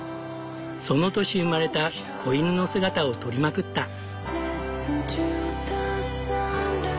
その年生まれた子犬の姿を撮りまくった。